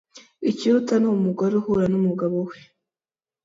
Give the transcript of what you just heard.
ikiruta ni umugore uhura n’umugabo we!